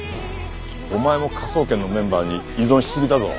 お前も科捜研のメンバーに依存しすぎだぞ。